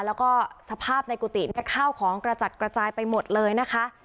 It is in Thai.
แล้วก็สภาพในกุฏิเนี่ยข้าวของกระจัดกระจายไปหมดเลยนะคะ